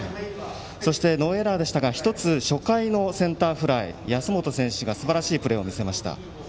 そして、ノーエラーでしたが１つ、初回のセンターフライ、安本選手がすばらしいプレーを見せました。